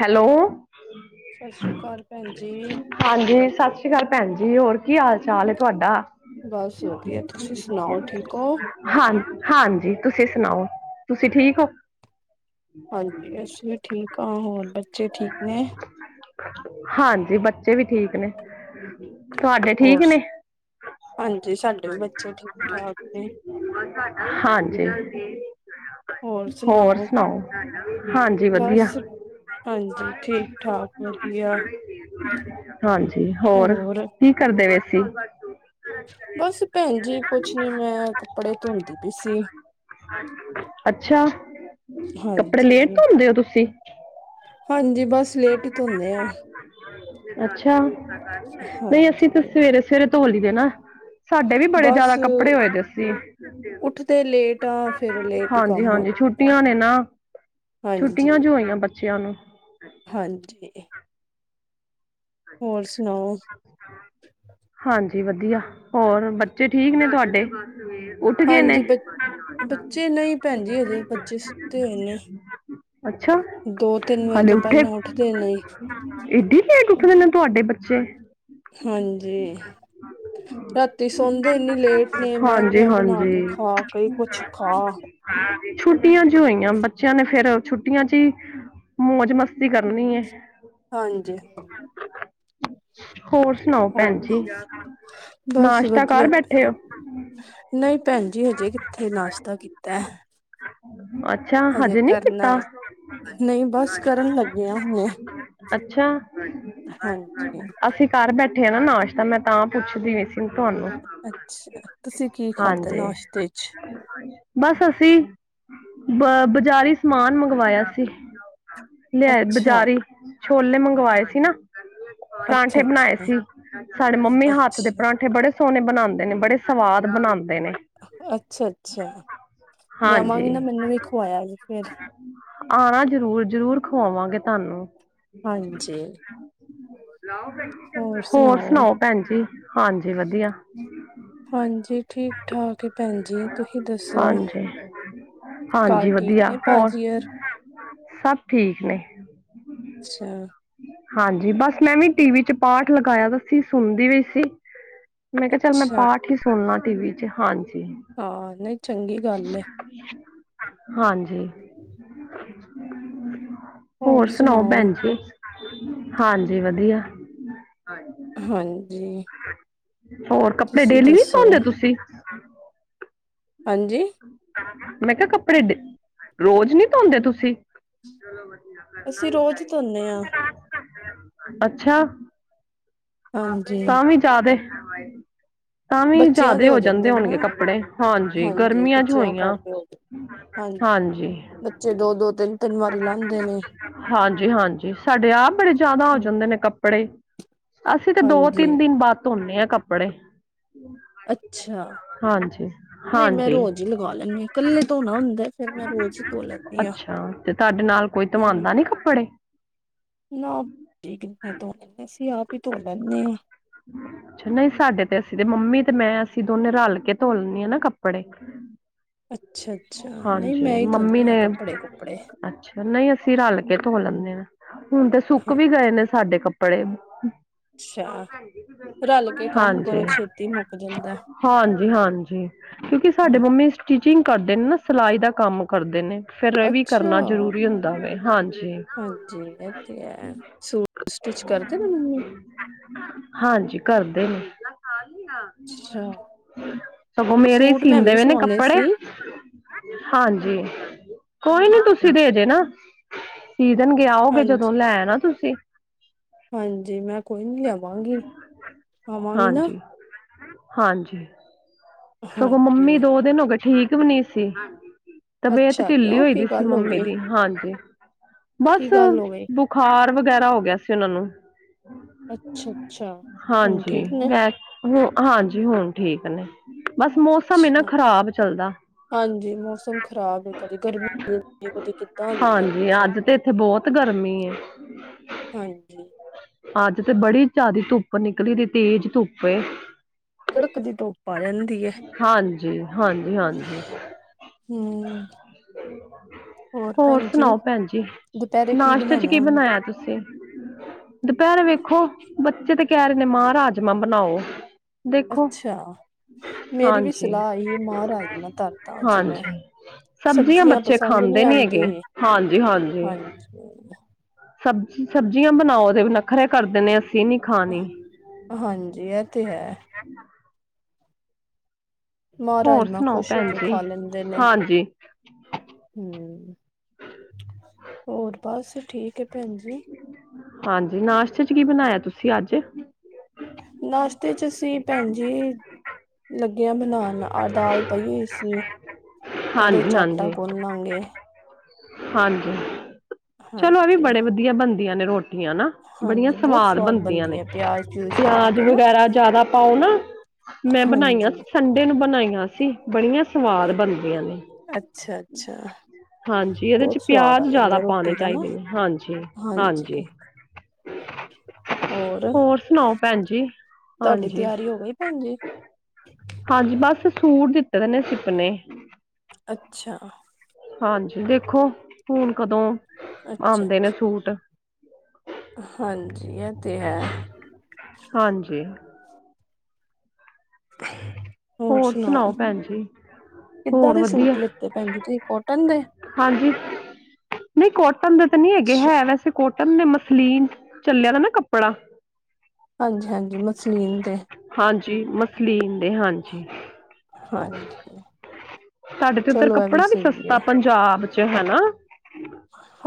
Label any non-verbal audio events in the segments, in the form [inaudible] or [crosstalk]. Hello. ਸਸ ਸ਼੍ਰੀ ਕਾਲ, ਪੈਣ ਜੀ। ਹਾਂਜੀ ਸਸ ਸ੍ਰੀ ਕਾਲ ਪੈਂਜੀ, ਹੋਰ ਕੀ ਹਾਲ-ਚਾਲ ਏ ਤੁਆਡਾ? ਬਸ, ਵਦੀਆ ਤੁਸੀ ਸੁਨਾਓ ਠੀਕ ਔ? ਹਾਂਜੀ, ਹਾਂਜੀ ਤੁਸੀ ਸੁਨਾਓ, ਤੁਸੀਂ ਠੀਕ ਓ? ਹਾਂਜੀ ਅਸੀ ਵੀ ਠੀਕ ਆ ਹੋਰ ਬੱਚੇ ਠੀਕ ਨੇ? ਹਾਂਜੀ ਬੱਚੇ ਵੀ ਠੀਕ ਨੇ। ਤੁਹਾਡੇ ਠੀਕ ਹੋਰ, ਨੇ ਹਾਂਜੀ ਸਾਡੇ ਵੀ ਬੱਚੇ ਠੀਕ ਠਾਕ ਨੇ। ਹਾਂਜੀ ਹੋਰ ਸੁਣਾਓ ਹਾਂਜ ਬਸ ਹਾਂਜੀ ਠੀਕ-ਠਾਕ ਵਧੀਆ। ਹਾਂਜੀ, ਹੋਰ ਕੀ ਕਰਦੇ ਵੇ ਸੀ? ਬਸ ਪੈਂਜੀ ਕੁਛ ਨੀ ਮੈਂ ਕੱਪੜੇ ਤੋਂਧੀ ਪਈ ਸੀ। ਅੱਛਾ। ਕੱਪੜੇ ਲੇਟ ਹਾਂਜੀ, ਧੋਂਦੇ ਹੋ ਤੁਸੀਂ? ਹਾਂਜੀ ਬਸ ਲੇਟ ਈ ਧੋਨੇ ਆ। ਅੱਛਾ, ਨਈ ਅਸੀ ਤੇ ਹਾਂਜੀ ਸਵੇਰੇ-ਸਵੇਰੇ ਧੋ ਲਈ ਦੇ ਨਾ। ਸਾਡੇ ਵੀ ਬੜੇ ਬਸ ਜਾਦਾ ਕੱਪੜੇ ਹੋਏ ਦੇ ਸੀ ਉੱਠਦੇ ਲੇਟ ਆ ਫਿਰ ਲੇਟ ਹੀ ਹਾਂਜੀ, ਕੰਮ ਹੋ ਹਾਂਜੀ ਛੁੱਟ ਜਾਂਦਾ ਹੈ ਛੁੱਟੀਆਂ ਨੇ ਨਾ, ਹਾਂਜੀ ਛੁੱਟੀਆਂ ਜੋ ਹੋਈਆਂ ਬੱਚਯਾਂ ਨੂੰ। ਹਾਂਜੀ। ਹੋਰ ਸੁਨਾਓ? ਹਾਂਜੀ, ਵਧੀਆ ਹੋਰ ਬੱਚੇ ਠੀਕ ਨੇ ਤੁਆਡੇ? ਹਾਂਜੀ ਬਚ ਬੱਚੇ ਨਈ ਪੈਂਜੀ ਹਜੇ ਬੱਚੇ ਸੁੱਤੇ ਹੋਏ ਨੇ। ਅੱਛਾ। ਦੋ, ਤਿੰਨ ਵਜੇ ਹਾਲੇ ਤੋ ਉੱਠੇ ਪੈਲਾ ਉੱਠਦੇ ਨਈ। ਏਡੀ ਲੇਟ ਉੱਠਦੇ ਨੇ ਤੁਆਡੇ ਬੱਚੇ। ਹਾਂਜੀ। ਰਾਤੀ ਸੋਂਦੇ ਏੱਨੀ ਲੇਟ ਨੇ ਹਾਂਜੀ ਮੈਗੀਆਂ ਬਨਾ ਕੇ ਹਾਂਜੀ ਖਾ ਕਈ ਕੋਛ ਖਾ। ਛੁੱਟੀਆਂ ਜੋ ਹੋਈਆਂ ਬੱਚਯਾਂ ਨੇ ਫੇਰ ਛੁੱਟੀਆਂ ਚ ਈ ਮੌਜ ਮਸਤੀ ਕਰਨੀ ਏ। ਹਾਂਜੀ। ਹੋਰ ਸੁਣਾਓ ਭੈਣ ਹੋਰ, ਜੀ ਬਸ ਨਾਸ਼ਤਾ ਕਰ ਵਧੀਆ ਬੈਠੇ ਹੋ ਨਈ ਪੈਂਜੀ ਹਜੇ ਕਿੱਥੇ ਨਾਸ਼ਤਾ ਕੀਤਾ। ਅੱਛਾ ਹਜੇ ਨਹੀਂ ਕਰਨਾ ਕੀਤਾ ਏ, ਨਈ ਬਸ ਕਰਨ ਲੱਗੇ ਆ ਹੁਨੇ। ਅੱਛਾ ਹਾਂਜੀ ਅਸੀ ਕਰ ਬੈਠੇ ਆ ਨਾ ਨਾਸ਼ਤਾ ਮੈਂ ਤਾਂ ਪੁੱਛਦੀ ਪੀ ਸੀ। ਤੁਹਾਨੂੰ ਅੱਛਾ ਤੁਸੀ ਕੀ ਖਾਦਾ ਹਾਂਜੀ ਨਾਸ਼ਤੇ ਚ? ਬਸ ਅਸੀ ਬ ਬਜ਼ਾਰੀ ਸਮਾਨ ਮੰਗਵਾਯਾ ਸੀ। ਲਿਆਏ ਅੱਛਾ ਬਜ਼ਾਰੀ ਛੋਲੇ ਮੰਗਵਾਏ ਸੀ ਨਾ। ਅੱਛਾ ਪਰਾਂਠੇ ਬਨਾਏ ਅੱਛਾ ਸੀ ਸਾਡੇ ਮੰਮੀ ਹੱਥ ਦੇ ਅੱਛਾ ਪਰਾਂਠੇ ਕਿ ਬੜੇ ਸੋਨੇ ਬਨਾਂਦੇ ਨੇ ਬੜੇ ਸਵਾਦ ਬਨਾਂਦੇ ਨੇ। ਅੱਛਾ- ਅੱਛਾ ਮੈਂ ਆਵਾਂਗੀ ਨਾ ਮੈਨੂੰ ਵੀ ਖਵਾਯਾ ਜੇ ਫੇਰ ਆਨਾ ਜ਼ਰੂਰ-ਜ਼ਰੂਰ ਖਵਾਵਾਂਗੇ ਤਾਨੂੰ ਹਾਂਜੀ ਹੋਰ ਸੁਨਾਓ। ਪੈਂਜੀ ਹਾਂਜੀ ਵਦੀਆ। ਹਾਂਜੀ ਠੀਕ-ਠਾਕ ਏ ਪੈਂਜੀ ਤੁਹੀ ਦੱਸੋ? ਹਾਂਜੀ ਘਰ ਹਾਂਜੀ ਠੀਕ ਵਧੀਆ ਨੇ ਹੋਰ ਪਾਜੀ ਹਰ? ਸਭ ਠੀਕ ਨੇ। ਅੱਛਾ। ਹਾਂਜੀ ਬਸ ਮੈਂ ਵੀ ਟੀ ਵੀ ਚ ਪਾਠ ਲਗਾਇਆ ਦਾ ਸੀ ਸੁਣਦੀ ਪੀ ਸੀ। ਮੈਂ ਕਿਹਾ ਚੱਲ ਮੈਂ ਅੱਛਾ ਪਾਠ ਹੀ ਸੁਨ ਲਾ ਟੀਵੀ ਚ ਹਾਂਜੀ। ਹਾਂ ਨਈ ਚੰਗੀ ਗੱਲ ਐ। ਹਾਂਜੀ। ਹੋਰ ਸੁਣਾਓ ਭੈਣ ਜੀ ਹਾਂਜੀ ਵਧੀਆ ਹਾਂਜੀ ਹੋਰ ਕੱਪੜੇ ਤੁਸੀਂ ਡੇਲੀ ਨਹੀਂ ਦੱਸੋ ਸੌਂਦੇ ਤੁਸੀਂ ਹਾਂਜੀ ਮੈਂ ਕਿਹਾ ਕੱਪੜੇ ਡ ਰੋਜ਼ ਨੀ ਧੋਂਦੇ ਤੁਸੀਂ ਚਲੋ ਵਧੀਆਂ ਅਸੀਂ ਰੋਜ਼ ਧੋਨੇ ਆ। ਅੱਛਾ ਹਾਂਜੀ ਤਾਂ ਵੀ [unintelligible] ਤਾਂ ਵੀ ਬੱਚਿਆਂ ਦੇ ਜਾਦੇ ਹੋ ਜਾਂਦੇ ਨੇ ਨਾ ਹੋਨਗੇ ਕੱਪੜੇ ਹਾਂਜੀ ਗਰਮੀਆਂ ਜੋ ਬੱਚਿਆਂ ਹੋਈਆਂ। ਕਰਕੇ ਹੋ ਜਾਂਦੇ। ਹਾਂਜੀ ਬੱਚੇ ਦੋ-ਦੋ ਤਿੰਨ-ਤਿੰਨ ਵਾਰੀ ਲਾਂਦੇ ਨੇ। ਹਾਂਜੀ- ਹਾਂਜੀ ਸਾਡੇ ਆਪ ਬੜੇ ਜਿਆਦਾ ਹੋ ਜਾਂਦੇ ਨੇ ਕੱਪੜੇ ਅਸੀ ਤੇ ਹਾਂਜੀ ਦੋ-ਤਿੰਨ ਦਿਨ ਬਾਦ ਧੋਨੇ ਆ ਕੱਪੜੇ ਅੱਛਾ ਹਾਂਜੀ- ਨਹੀਂ ਮੈਂ ਹਾਂਜੀ ਰੋਜ਼ ਹੀ ਲਗਾ ਲੈਂਦੀ ਹਾਂ ਇਕੱਲੇ ਧੋਣਾ ਹੁੰਦਾ ਫਿਰ ਮੈਂ ਰੋਜ਼ ਹੀ ਧੋ ਲੈਂਦੀ ਹਾਂ ਅੱਛਾ ਤੇ ਤੁਹਾਡੇ ਨਾਲ ਕੋਈ ਹਾਂ ਧਵਾਂਦਾ ਨੀ ਕੱਪੜੇ ਨਾ ਕਿਨੇ ਧੋ ਨੇ ਅਸੀਂ ਹੀ ਧੋ ਲੈਂਣੇ ਆ। ਅੱਛਾ ਨਹੀਂ ਸਾਡੇ ਤੇ ਅਸੀਂ ਤੇ ਮੰਮੀ ਤੇ ਮੈਂ ਅਸੀਂ ਦੋਨੇ ਰਲ ਕੇ ਧੋਲੈਣੀ ਆ ਨਾ ਕੱਪੜੇ ਅੱਛਾ -ਅੱਛਾ ਨਹੀਂ ਹਾਂਜੀ ਮੈਂ ਹੀ ਮੰਮੀ ਧੋਂਨੀ ਆ ਨੇ ਕੱਪੜੇ ਕੁਪੜੇ ਅੱਛਾ ਨਹੀਂ ਅਸੀਂ ਰਲ ਕੇ ਧੋ ਲੈਂਣੇ ਆ ਹੁਣ ਤੇ ਸੁੱਕ ਵੀ ਗਏ ਹਾਂਜੀ। ਨੇ ਸਾਡੇ ਕੱਪੜੇ ਅੱਛਾ ਰਲ ਕੇ ਕੰਮ ਕਰੋ ਹਾਂਜੀ ਛੇਤੀ ਮੁੱਕ ਜਾਂਦਾ। ਹਾਂਜੀ -ਹਾਂਜੀ ਕਿਉਂਕਿ ਸਾਡੇ ਹਾਂ। ਮੰਮੀ ਸਟਿਚਿੰਗ ਕਰਦੇ ਨੇ ਨਾ ਸਿਲਾਈ ਦਾ ਕੰਮ ਕਰਦੇ ਨੇ ਫਿਰ ਇਹ ਵੀ ਅੱਛਾ ਕਰਨਾ ਜ਼ਰੂਰੀ ਹੁੰਦਾ ਵੇ ਹਾਂਜੀ। ਹਾਂਜੀ ਇਹ ਤੇ ਹੈ ਸੂਟ ਸਟਿਚ ਕਰਦੇ ਨਾ ਮੰਮੀ ਹਾਂਜੀ ਕਰਦੇ ਨੇ। ਅੱਛਾ ਸਗੋਂ ਮੇਰੇ ਹੀ ਸੂਟ ਮੈਂ ਸੀਂਦੇ ਵੀ ਵੇ ਨੇ ਸਵਾਣੇ ਕੱਪੜੇ ਸੀ। ਹਾਂਜੀ ਕੋਈ ਨੀ ਤੁਸੀਂ ਦੇ ਜੇਨਾ ਸੀਦੇਨ ਗੇ ਆਓਗੇ ਹਾਂਜੀ ਜਦੋਂ ਲੈ ਨਾ ਤੁਸੀਂ ਹਾਂਜੀ ਮੈਂ ਕੋਈ ਨੀ ਲਿਆਵਾਂਗੀ ਆਵਾਂਗੀ ਨਾ। ਹਾਂਜੀ ਹਾਂਜੀ ਸਗੋਂ ਹਾਂਜੀ। ਮੰਮੀ ਦੋ ਦਿਨ ਹੋ ਗਏ ਠੀਕ ਵੀ ਨੀ ਸੀ। ਤਬੀਅਤ ਅੱਛਾ ਢਿੱਲੀ ਕਿਉਂ ਹੋਈ ਕੀ ਦੀ ਸੀ ਗੱਲ ਹੋ ਮੰਮੀ ਗਈ ਦੀ ਹਾਂਜੀ। ਕੀ ਬਸ ਗੱਲ ਹੋ ਗਈ ਬੁਖਾਰ ਵਗੈਰਾ ਹੋ ਗਿਆ ਸੀ ਉਹਨਾਂ ਨੂੰ ਅੱਛਾ ਅੱਛਾ ਹੁਣ ਹਾਂਜੀ ਠੀਕ ਨੇ ਮੈਂ ਹੂੰ ਹਾਂਜੀ ਹੁਣ ਠੀਕ ਨੇ ਬਸ ਮੌਸਮ ਇਹ ਨਾ ਅੱਛਾ। ਖ਼ਰਾਬ ਚੱਲਦਾ। ਹਾਂਜੀ ਮੌਸਮ ਖ਼ਰਾਬ ਐ ਕਦੇ ਗਰਮੀ ਹੋ ਜਾਂਦੀ ਕਦੇ ਕਿੱਦਾਂ ਆ ਜਾਂਦਾ ਹਾਂਜੀ ਮੌਸਮ ਅੱਜ ਤੇ ਇੱਥੇ ਬਹੁਤ ਗਰਮੀ ਏ। ਹਾਂਜੀ। ਅੱਜ ਤੇ ਬੜੀ ਜ਼ਿਆਦਾ ਧੁੱਪ ਨਿਕਲੀ, ਤੇ ਤੇਜ਼ ਧੁੱਪ ਏ। ਕੜਕ ਦੀ ਧੂਪ- ਹਾਂਜੀ ਹਾਂਜੀ ਹਾਂਜੀ। ਹਮ ਹੋਰ ਭੈਣ ਜੀ ਸੁਣਾਓ ਭੈਣ ਜੀ ਦੁਪਹਿਰੇ ਨਾਸ਼ਤੇ 'ਚ ਬਣਾਉਣਾ ਕੀ ਹੁਣ? ਬਣਾਇਆ ਤੁਸੀਂ ਦੁਪਹਿਰ ਵੇਖੋ ਬੱਚੇ ਤੇ ਕਹਿ ਰਹੇ ਨੇ ਮਾਂ ਰਾਜਮਾਂ ਬਣਾਓ। ਦੇਖੋ ਅੱਛਾ ਮੇਰੀ ਵੀ ਹਾਂਜੀ ਸਲਾਹ ਆਈ ਮਾਂ ਰਾਜਮਾ ਧਰਦਾ ਅਜ ਹਾਂਜੀ ਮੈਂ ਸਬਜ਼ੀਆਂ ਬੱਚੇ ਪਸੰਦ ਨਹੀਂ ਖਾਂਦੇ ਨੀ ਆਉਂਦੀ ਹੈਗ ਹਾਂਜੀ- ਹਾਂਜੀ। ਸਬ ਸਬਜ਼ੀਆਂ ਬਣਾਓ ਦੇ ਨੱਖਰੇ ਕਰਦੇ ਨੇ ਅਸੀਂ ਨੀ ਖਾਣੀ। ਹਾਂਜੀ ਇਹ ਤੇ ਹੈ। ਮਾ ਹੋਰ ਰਾਜਮਾਂ ਸੁਣਾਓ ਖੁਸ਼ ਹੋ ਭੈਣ ਕੇ ਜੀ ਖਾ ਲੈਦੇ ਨੇ। ਹਾਂਜੀ ਹੂੰ ਹੋਰ ਬਸ ਠੀਕ ਹੈ ਭੈਣ ਜੀ। ਹਾਂਜੀ ਨਾਸ਼ਤੇ 'ਚ ਕੀ ਬਣਾਇਆ ਤੁਸੀਂ ਅੱਜ ਨਾਸ਼ਤੇ 'ਚ ਅਸੀਂ ਭੈਣ ਜੀ। ਲਗੇ ਆ ਬਣਾਉਣ ਆ ਦਾਲ ਪਈ ਹੋਈ ਸੀ। ਉਹਦੇ ਹਾਂਜੀ ਚ ਆਟਾ ਹਾਂਜੀ ਗੋਨ ਲਾਂਗੇ। ਹਾਂਜੀ। ਚਲੋ ਇਹ ਵੀ ਹਾਂਜੀ ਬੜੇ ਵਧੀਆ ਬਣਦੀਆਂ ਨੇ ਰੋਟੀਆਂ ਨਾ। ਬੜੀਆਂ ਹਾਂਜੀ ਬਹੁਤ ਸਵਾਦ ਬਣਦੀਆਂ ਬਣਦੀ ਨੇ ਹੈ ਪਿਆਜ ਪਿਊਜ ਪਾ ਪਿਆਜ ਕੇ ਨਾ ਵਗੈਰਾ ਜਿਆਦਾ ਪਾਓ ਨਾ ਮੈਂ ਬਣਾਈਆਂ ਹਾਂਜੀ ਸੀ ਦਿਨ ਬਣਾਈਆਂ ਸੀ ਬੜੀਆਂ ਸਵਾਦ ਬਣਦੀਆਂ ਨੇ। ਅੱਛਾ- ਅੱਛਾ ਹਾਂਜੀ ਇਹਦੇ ਚ ਬਹੁਤ ਸਵਾਦ ਆ ਪਿਆਜ ਜ਼ਿਆਦਾ ਜਾਂਦਾ ਪਾਉਣੇ ਰੋਟੀ ਦਾ ਨਾ, ਚਾਹੀਦੇ ਨੇ ਹਾਂਜੀ ਹਾਂਜੀ। ਹੋਰ। ਹੋਰ ਸੁਣਾਓ ਭੈਣ ਜੀ। ਤੁਹਾਡੀ ਹਾਂਜੀ ਤਿਆਰੀ ਹੋ ਗਈ ਭੈਣ ਜੀ। ਹਾਂਜੀ ਬਸ ਸੂਟ ਦਿੱਤੇ ਦੇ ਨੇ ਸਿਪਨੇ। ਅੱਛਾ। ਹਾਂਜੀ ਦੇਖੋ ਹੁਣ ਕਦੋਂ ਅੱਛਾ ਆਉਂਦੇ ਨੇ ਸੂਟ। ਹਾਂਜੀ ਇਹ ਤੇ ਹੈ। ਹਾਂਜੀ। [inaudible] ਹੋਰ ਸੁਣਾਓ ਕਿੱਦਾਂ ਹੋਰ ਦੇ ਵਧੀਆ ਸੂਟ ਲਿੱਤੇ ਭੈਣ ਜੀ ਤੁਸੀਂ ਕੋਟਨ ਦੇ। ਹਾਂਜੀ। ਨਹੀਂ ਕੋਟਨ ਦੇ ਤਾਂ ਨਹੀਂ ਹੈਗੇ ਹੈ ਵੈਸੇ ਕੋਟਨ ਨੇ ਮਸਲੀਨ ਚੱਲਿਆ ਦਾ ਨਾ ਕੱਪੜਾ। ਹਾਂਜੀ-ਹਾਂਜੀ ਮਸਲੀਨ ਦੇ ਹਾਂਜੀ ਮਸਲੀਨ ਦੇ ਹਾਂਜੀ। ਹਾਂ ਸਾਡੇ ਤੇ ਉੱਧਰ ਕੱਪੜਾ ਵੀ ਹੈ ਸਸਤਾ ਪੰਜਾਬ ਚ ਹੈਨਾ।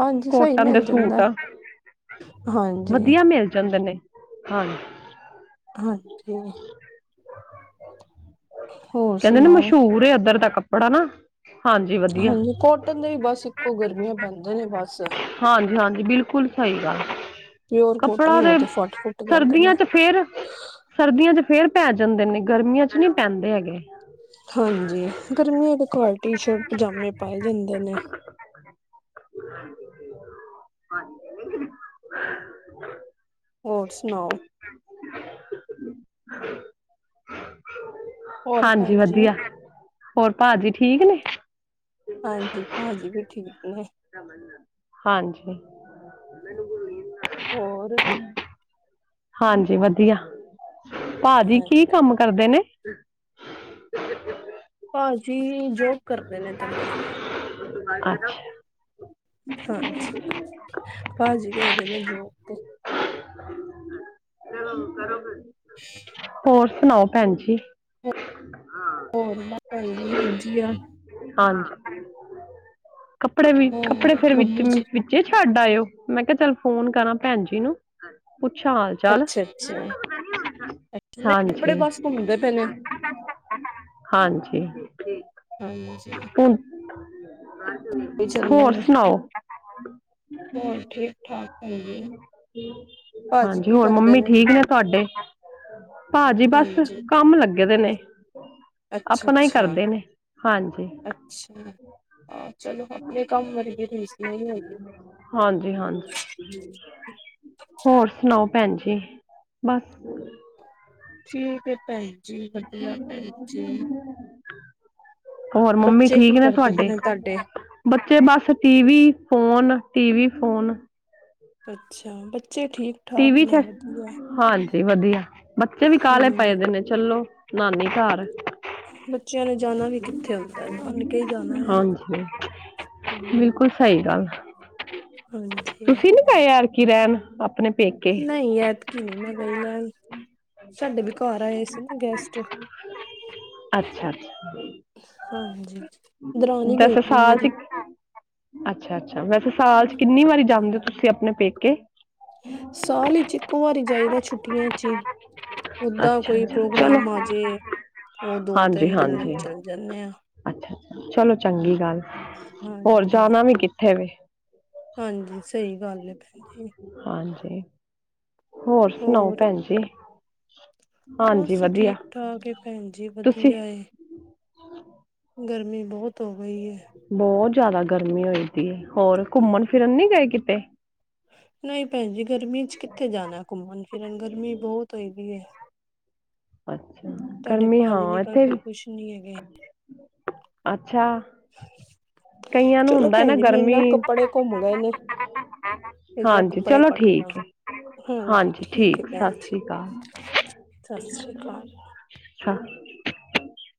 ਹਾਂਜੀ ਸਹੀ ਕੋਟਨ ਦੇ ਮਿਲ ਸੂਟ ਜਾਂਦਾ ਹਾਂਜੀ ਵਧੀਆ ਮਿਲ ਜਾਂਦੇ ਨੇ। ਹਾਂਜੀ। ਹਾਂਜੀ। ਹੋਰ ਕਹਿੰਦੇ ਨਾ ਸੁਣਾਓ ਮਸ਼ਹੂਰ ਇੱਧਰ ਦਾ ਕੱਪੜਾ ਨਾ। ਹਾਂਜੀ ਵਧੀਆ ਹਾਂਜੀ। ਕੋਟਨ ਦੇ ਵੀ ਬਸ ਇੱਕੋ ਗਰਮੀਆਂ ਪੈਂਦੇ ਨੇ ਬਸ। ਹਾਂਜੀ-ਹਾਂਜੀ ਬਿਲਕੁਲ ਸਹੀ ਗੱਲ ਪਿਓਰ ਕੱਪੜਾ ਕੋਟਨ ਹੋ ਤੇ ਫੱਟ ਫੁੱਟ ਜਾਂਦੇ ਨੇ ਸਰਦੀਆਂ ਚ ਫੇਰ ਸਰਦੀਆਂ ਚ ਫੇਰ ਪੈ ਜਾਂਦੇ ਨੇ ਗਰਮੀਆਂ ਚ ਨਹੀਂ ਪੈਂਦੇ ਹੈਗੇ। ਹਾਂਜੀ ਗਰਮੀਆਂ ਦੇ ਕੁਆਲਟੀ ਸ਼ਰਟ ਪਜਾਮੇ ਪਾਏ ਜਾਂਦੇ ਨੇ। [inaudible] ਹੋਰ ਸੁਣਾਓ। [inaudible] ਹੋਰ ਹਾਂਜੀ ਭੈਣ ਜੀ ਵਧੀਆ। ਹੋਰ ਭਾਜੀ ਠੀਕ ਨੇ। ਹਾਂਜੀ ਭਾਜੀ ਵੀ ਠੀਕ ਨੇ। ਹਾਂਜੀ। ਹੋਰ। ਹਾਂਜੀ ਵਧੀਆ ਭਾਜੀ ਕੀ ਹਾਂਜੀ ਕੰਮ ਕਰਦੇ ਨੇ। ਭਾਜੀ ਜੋਬ ਕਰਦੇ ਨੇ ਤੁਹਾਡੇ। ਅੱਛਾ। ਹਾਂਜੀ ਭਾਜੀ ਗਏ ਦੇ ਨੇ ਜੋਬ ਤੇ। ਹੋਰ ਸੁਣਾਓ। ਭੈਣ ਜੀ। ਹਾਂ। ਹੋਰ ਬਸ ਵੀ ਵਧੀਆ। ਹਾਂਜੀ ਕੱਪੜੇ ਵੀ ਕੱਪੜੇ ਹੋਰ ਫੇਰ ਵਿੱਚ ਮੰਮੀ ਜੀ ਵਿਚੇ ਛੱਡ ਆਇਓ ਮੈਂ ਕਿਹਾ ਚੱਲ ਫੋਨ ਕਰਾਂ ਭੈਣ ਜੀ ਨੂੰ ਪੁੱਛਾਂ ਆ। ਅੱਛਾ ਅੱਛਾ ਅੱਛਾ। ਕੱਪੜੇ ਹਾਂਜੀ ਬਸ ਘੁੰਮਦੇ ਪਏ ਨੇ। ਹਾਂਜੀ ਠੀਕ। ਹਾਂਜੀ ਹਨ ਚੱਲੇ ਹੋਰ ਨੇ ਸੁਣਾਓ। ਹੋਰ ਠੀਕ ਠਾਕ? ਭੈਂਂਣ ਜੀ ਹੂ ਭਾਜੀ ਹਾਂਜੀ। ਕੀ ਹੋਰ ਕਰਦੇ ਮੰਮੀ ਠੀਕ ਨੇ ਤੁਹਾਡੇ? ਭਾਜੀ ਬਸ ਹਾਂਜੀ, ਕੰਮ ਲੱਗੇ ਪੇ ਨੇ। ਆਪਣਾ ਹੀ ਅੱਛਾ-ਅੱਛਾ, ਕਰਦੇ ਨੇ। ਹਾਂਜੀ ਅੱਛਾ ਹਾਂ ਚਲੋ। ਆਪਣੇ ਕੰਮ ਵਰਗੀ ਰੀਸ ਨਹੀਂ ਹੇਗੀ। ਹਾਂਜੀ-ਹਾਂਜੀ ਹੋਰ ਸੁਣਾਓ ਭੈਣ ਜੀ ਬਸ ਠੀਕ ਹੈ ਭੈਣ ਜੀ, ਵਧੀਆ ਭੈਣ ਜੀ। ਹੋਰ ਮੰਮੀ ਬੱਚੇ ਕੀ ਠੀਕ ਕਰਦੇ ਪਏ ਨੇ ਤੁਹਾਡੇ। ਬੱਚੇ ਬਸ, ਟੀਵੀ ਫੋਨ -ਟੀਵੀ ਫੋਨ। ਅੱਛਾ ਬੱਚੇ ਠੀਕ ਟੀ ਵੀ ਚ ਹਾਂਜੀ ਵਧੀਆ। ਬੱਚੇ ਵੀ ਕਾਲੇ ਹੂੰ। ਪੈ-ਪੈ ਨੇ ਚਲੋ। ਨਾਨੀ ਘਾਰ ਬੱਚਿਆਂ ਨੇ ਜਾਣਾ ਵੀ ਕਿੱਥੇ ਹੁੰਦਾ। ਨਾਨਕੇ ਹੀ ਜਾਣਾ ਆ। ਹਾਂਜੀ ਹੂੰ। ਬਿਲਕੁਲ ਸਹੀ ਗੱਲ। ਹਾਂਜੀ, ਤੁਸੀਂ ਨੀ ਗਏ ਏਤਕੀ ਰਹਿਣ ਆਪਣੇ ਪੇਕੇ ਨਹੀਂ, ਐਤ ਕੀ ਨਹੀਂ ਮੈਂ ਗਈ ਰੈਨ। ਸਾਡੇ ਵੀ ਘਾਰ ਆਏ ਸੀ ਨਾ ਗੈਸਟ। ਅੱਛਾ ਅੱਛਾ ਹਾਂਜੀ। ਦਰਾਣੀ ਗਈ ਵੈਸੇ ਪੀ ਏ ਸਾਲ ਚ ਮੇਰੀ। ਅੱਛਾ ਅੱਛਾ। ਵੈਸੇ ਸਾਲ ਚ ਕਿੰਨੀ ਵਾਰੀ ਜਾਂਦੇ ਓ, ਤੁਸੀਂ ਆਪਣੇ ਪੇਕੇ? ਸਾਲ ਵਿੱਚ ਇੱਕੋ ਵਾਰੀ ਜਾਈਦਾ ਛੁੱਟੀਆਂ ਚ ਹੀ। ਓਦਾਂ ਅੱਛਾ ਕੋਈ ਅੱਛਾ ਚਲੋ ਪ੍ਰੋਗਰਾਮ ਆਜੇ ਉਹ ਦੋ- ਹਾਂਜੀ ਤਿੰਨ ਦਿਨ ਲਈ ਹਾਂਜੀ ਚੱਲ ਜਾਂਨੇ ਆ। ਅੱਛਾ ਚਲੋ ਚੰਗੀ ਗੱਲ। ਹੋਰ ਹਾਂਜੀ ਜਾਣਾ ਵੀ ਕਿੱਥੇ ਵੇ। ਹਾਂਜੀ ਸਹੀ ਗੱਲ ਏ। ਹਾਂਜੀ। ਹੋਰ ਸੁਣਾਓ ਭੈਣ ਜੀ। ਹਾਂਜੀ ਬਸ ਵਧੀਆ ਠੀਕ-ਠਾਕ ਏ ਭੈਣ ਜੀ ਤੁਸੀਂ ਵਧੀਆ ਏ। ਗਰਮੀ ਬਹੁਤ ਹੋ ਗਈ ਏ। ਬਹੁਤ ਜ਼ਿਆਦਾ ਗਰਮੀ ਹੋਈ ਪੀ ਏ, ਹੋਰ ਘੁੰਮਣ ਹਾਂਜੀ ਫਿਰਨ ਨੀ ਗਏ ਕਿਤੇ? ਨਹੀਂ ਭੈਣ ਜੀ ਗਰਮੀ ਚ ਕਿੱਥੇ ਜਾਣਾ ਏ, ਘੁੰਮਣ ਫਿਰਨ ਗਰਮੀ ਬਹੁਤ ਹੋਈ ਪਈ ਏ। ਅੱਛਾ ਤੁਹਾਡੇ ਗਰਮੀ ਭਾਜੀ ਹਾਂ ਨਿਕਲ ਇੱਥੇ ਕੇ ਵੀ। ਖੁਸ਼ ਨੀ ਹੈਗੇ। ਅੱਛਾ ਕਈਆਂ ਨੂੰ ਚਲੋ ਹੁੰਦਾ ਭੈਣ ਨਾ ਜੀ ਮੇਰੇ ਗਰਮੀ ਕੱਪੜੇ ਘੁੰਮ ਗਏ ਨੇ ਮੈਂ ਜਰਾ ਹਾਂਜੀ ਕੱਪੜੇ ਚਲੋ ਕੱਢ ਲਾਂ ਠੀਕ ਏ। ਹਾਂਜੀ, ਠੀਕ ਹੈ ਭੈਣ ਜੀ। ਅਕਾਲ ਸਤਿ ਸ੍ਰੀ ਅਕਾਲ। ਹਾਂ।